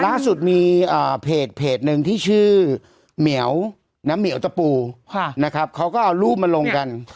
ล่าสุดมีเพจหนึ่งที่ชื่อเหมียวน้ำเหมียวตะปูนะครับเขาก็เอารูปมาลงกัน